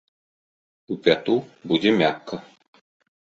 У пяту будзе мякка.